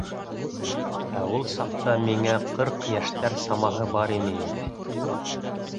Ә ул саҡта миңә ҡырҡ йәштәр самаһы бар ине инде.